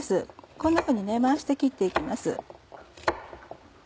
こんなふうに回して切っていきます。